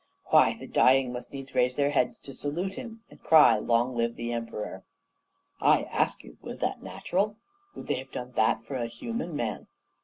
Why! the dying must needs raise their heads to salute him and cry, 'LONG LIVE THE EMPEROR!' "I ask you, was that natural? would they have done that for a human man?